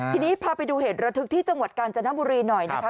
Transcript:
ทีนี้พาไปดูเหตุระทึกที่จังหวัดกาญจนบุรีหน่อยนะคะ